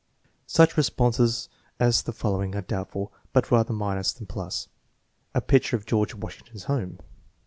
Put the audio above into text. Such responses as the following are doubtful, but rather minus than pliis: "A picture of George Washington's home."